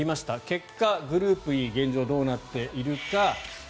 結果、グループＥは現状どうなっているか。